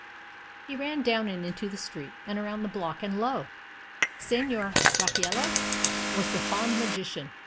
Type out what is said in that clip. He ran down, and into the street, and around the block, and, lo! Signor Raffaello was the fond magician.